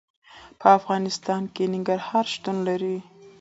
په افغانستان کې ننګرهار شتون لري.